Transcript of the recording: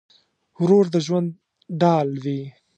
ورور د ژوند ډال وي.